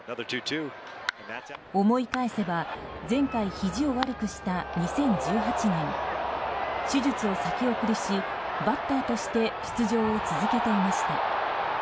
思い返せば前回、ひじを悪くした２０１８年手術を先送りし、バッターとして出場を続けていました。